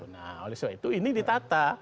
nah oleh sebab itu ini ditata